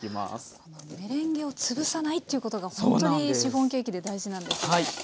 このメレンゲを潰さないっていうことがほんとにシフォンケーキで大事なんですね。